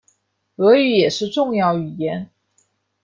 俄语也是重要语言。